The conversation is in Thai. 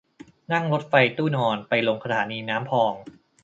นั่งรถไฟตู้นอนไปลงสถานีน้ำพอง